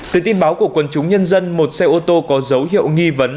từ tin báo của quân chúng nhân dân một xe ô tô có dấu hiệu nghi vấn